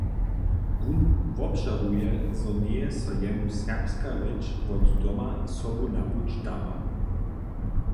Wón wobžaruje, zo njeje so jemu serbska rěč wot doma sobu na puć dała.